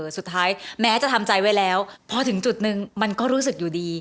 สุดท้ายแม้จะทำใจไว้แล้วพอถึงจุดหนึ่งมันก็รู้สึกอยู่ดี